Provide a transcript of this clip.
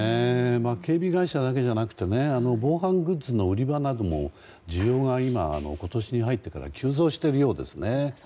警備会社だけじゃなくてね防犯グッズの売り場なども需要が今、今年に入ってから急増しているようですね。